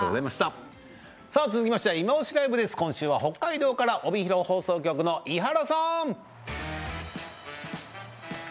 続きましては「いまオシ！ＬＩＶＥ」です。今週は北海道から帯広放送局の伊原さん。